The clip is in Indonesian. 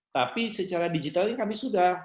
tapi secara digital ini kami sudah